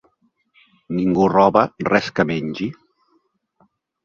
Ningú roba res que mengi.